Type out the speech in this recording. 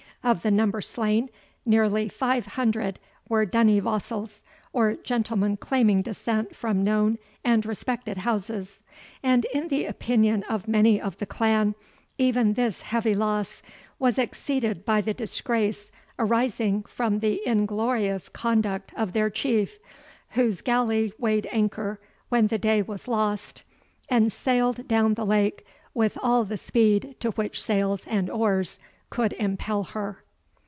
Of the number slain, nearly five hundred were dunniwassels, or gentlemen claiming descent from known and respected houses. And, in the opinion of many of the clan, even this heavy loss was exceeded by the disgrace arising from the inglorious conduct of their Chief, whose galley weighed anchor when the day was lost, and sailed down the lake with all the speed to which sails and oars could impel her.